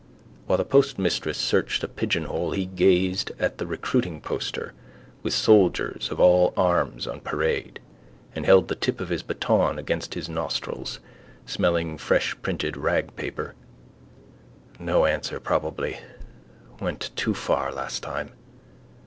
While the postmistress searched a pigeonhole he gazed at the recruiting poster with soldiers of all arms on parade: and held the tip of his baton against his nostrils, smelling freshprinted rag paper. No answer probably. Went too far last time.